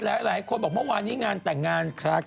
หลายคนบอกเมื่อวานนี้งานแต่งงานครับ